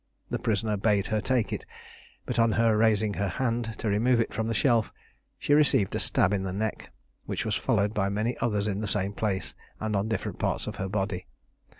The prisoner bade her take it; but on her raising her hand to remove it from the shelf, she received a stab in the neck, which was followed by many others in the same place and on different parts of her body.